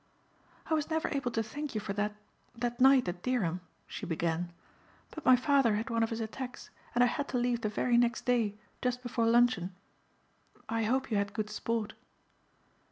"I was never able to thank you for that, that night at Dereham," she began, "but my father had one of his attacks and I had to leave the very next day just before luncheon. I hope you had good sport."